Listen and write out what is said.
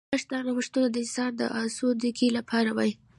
کاش دا نوښتونه د انسان د آسوده ګۍ لپاره وای